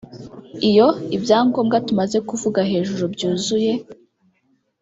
Iyo ibyangombwa tumaze kuvuga hejuru byuzuye